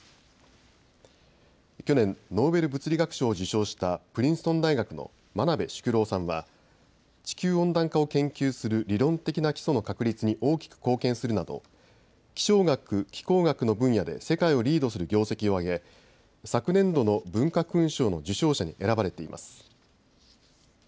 去年、ノーベル物理学賞を受賞したプリンストン大学の真鍋淑郎さんは地球温暖化を研究する理論的な基礎の確立に大きく貢献するなど気象学・気候学の分野で世界をリードする業績を上げ昨年度の文化勲章の受章者に選ばれています。